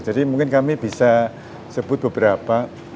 jadi mungkin kami bisa sebut beberapa